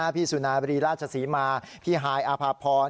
พี่สุนับรีราชาศีมาส์พี่หายอภาพร